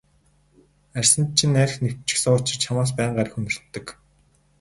Арьсанд чинь архи нэвччихсэн учир чамаас байнга архи үнэртдэг.